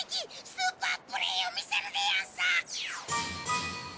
スーパープレイを見せるでヤンス！